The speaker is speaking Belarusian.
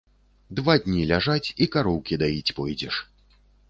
Два дні ляжаць, і кароўкі даіць пойдзеш.